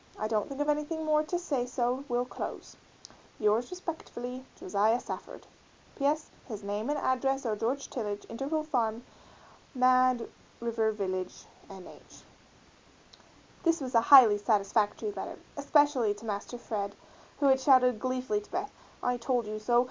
I don't think of anything more to say so will close. Yours respt. JOSIAH SAFFORD. P. S. His name and address are George Tillage, Intervale Farm, Mad River Village, N. H. This was a highly satisfactory letter, especially to Master Fred who had shouted gleefully to Beth, "I told you so!"